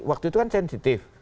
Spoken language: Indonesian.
waktu itu kan sensitif